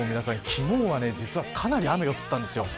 昨日は、実はかなり雨が降ったんですよ。